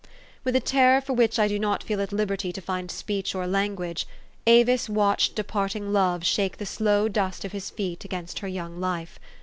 With a terror for which I do not feel at liberty to find speech or language, Avis watched departing love shake the slow dust of his feet against her young life.